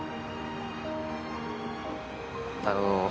あの。